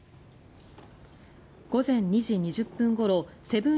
午前２時２０分ごろセブン